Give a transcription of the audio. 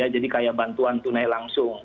jadi kayak bantuan tunai langsung